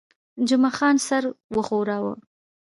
جمعه خان سر وښوراوه.